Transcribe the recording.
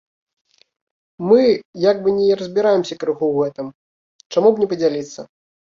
Мы як бы разбіраемся крыху ў гэтым, чаму б не падзяліцца.